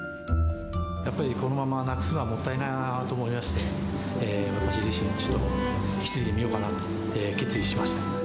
やっぱりこのままなくすのはもったいないなと思いまして、私自身、ちょっと引き継いでみようと決意しました。